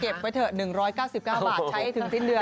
ไว้เถอะ๑๙๙บาทใช้ให้ถึงสิ้นเดือน